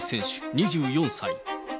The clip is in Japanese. ２４歳。